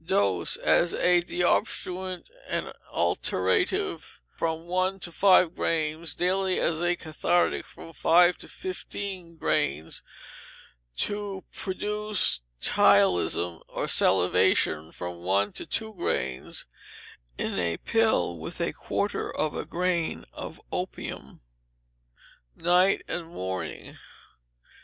Dose, as a deobstruent and alterative, from one to five grains, daily; as a cathartic, from five to fifteen grains; to produce ptyalism, or salivation, from one to two grains, in a pill, with a quarter of a grain of opium, night and morning.